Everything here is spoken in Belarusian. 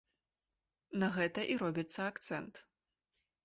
На гэта і робіцца акцэнт.